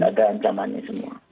dan ada ancamannya semua